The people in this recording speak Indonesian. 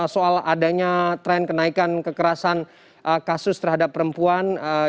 soal adanya tren kenaikan kekerasan kasus terhadap perempuan